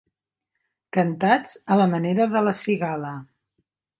Cantats a la manera de la cigala.